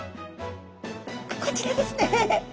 こちらですね。